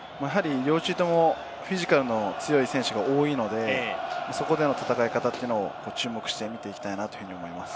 両チームともフィジカルの強い選手が多いので、そこでの戦い方を注目して見ていきたいなと思います。